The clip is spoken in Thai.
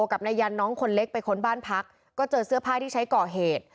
กับนายยันน้องคนเล็กไปค้นบ้านพักก็เจอเสื้อผ้าที่ใช้ก่อเหตุ